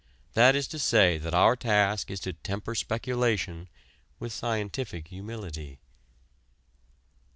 That is to say that our task is to temper speculation with scientific humility.